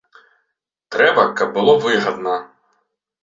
Трэба, каб было выгадна.